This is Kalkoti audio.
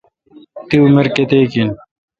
تی عمر کیتیک این۔